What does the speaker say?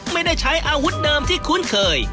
ไม่ได้ใช้อาวุธเดิมที่คุ้นเคย